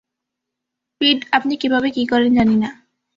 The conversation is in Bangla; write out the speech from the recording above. পিট, আপনি কীভাবে কী করেন, জানি না।